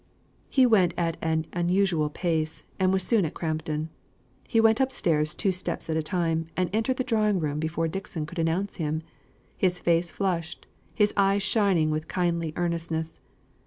He went at an unusual pace, and was soon at Crampton. He went upstairs two steps at a time, and entered the drawing room before Dixon could announce him, his face flushed, his eyes shining with kindly earnestness.